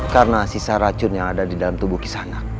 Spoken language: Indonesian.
karena sisa racun yang ada di dalam tubuh kisanak